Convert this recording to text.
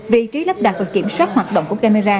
vị trí lắp đặt và kiểm soát hoạt động của camera